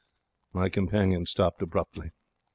My companion stopped abruptly.